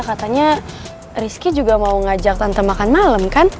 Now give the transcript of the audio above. katanya rizky juga mau ngajak tante makan malam kan